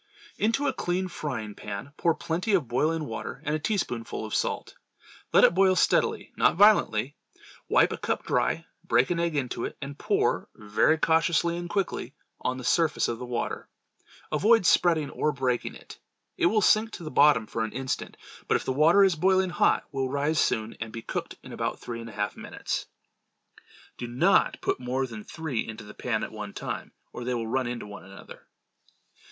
Into a clean frying pan, pour plenty of boiling water, and a teaspoonful of salt. Let it boil steadily, not violently. Wipe a cup dry, break an egg into it, and pour, very cautiously and quickly, on the surface of the water. Avoid spreading or breaking it. It will sink to the bottom for an instant, but if the water is boiling hot, will rise soon and be cooked in about three and a half minutes. Do not put more than three into the pan at one time, or they will run into one another.